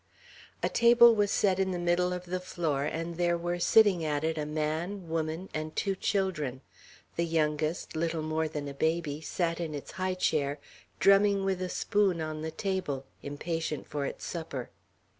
A table was set in the middle of the floor, and there were sitting at it a man, woman, and two children. The youngest, little more than a baby, sat in its high chair, drumming with a spoon on the table, impatient for its supper.